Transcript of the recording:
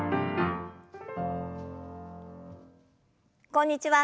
こんにちは。